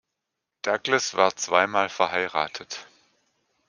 Douglas war zweimal verheiratet.